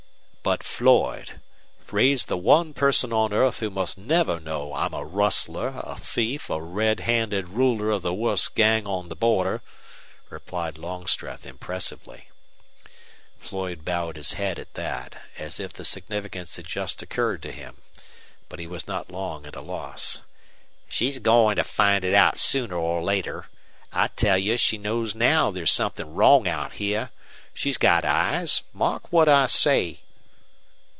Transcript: "But, Floyd, Ray's the one person on earth who must never know I'm a rustler, a thief, a red handed ruler of the worst gang on the border," replied Longstreth, impressively. Floyd bowed his head at that, as if the significance had just occurred to him. But he was not long at a loss. "She's going to find it out sooner or later. I tell you she knows now there's something wrong out here. She's got eyes. Mark what I say."